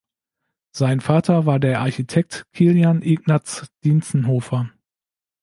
Sein Vater war der Architekt Kilian Ignaz Dientzenhofer.